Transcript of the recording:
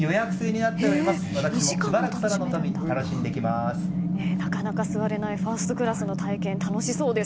なかなか座れないファーストクラスの体験楽しそうです。